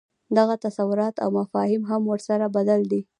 دغه تصورات او مفاهیم هم ورسره بدل دي.